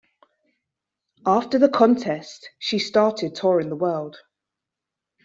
After the contest, she started touring the world.